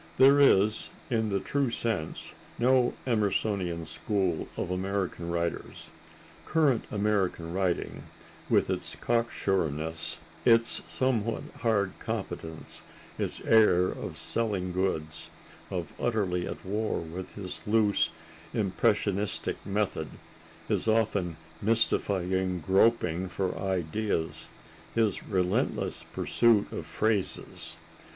There is, in the true sense, no Emersonian school of American writers. Current American writing, with its cocksureness, its somewhat hard competence, its air of selling goods, is utterly at war with his loose, impressionistic method, his often mystifying groping for ideas, his relentless pursuit of phrases.